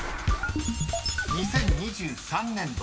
［２０２３年度